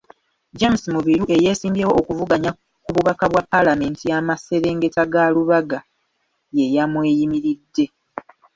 James Mubiru eyeesimbyewo okuvuganya ku bubaka bwa Paalamenti y'amaserengeta ga Lubaga ye yamweyimiridde.